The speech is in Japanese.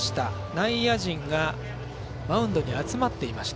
内野陣がマウンドに集まっていました。